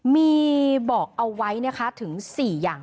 ๒๕๔๘มีบอกเอาไว้เนี่ยคะถึง๔อย่าง